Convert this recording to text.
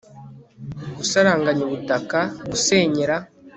gusaranganya ubutaka, gusenyera